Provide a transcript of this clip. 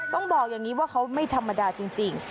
ต้องบอกอย่างนี้ว่าเขาไม่ธรรมดาจริง